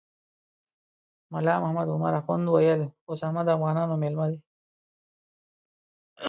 ملا محمد عمر اخند ویل اسامه د افغانانو میلمه دی.